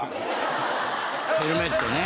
ヘルメットね。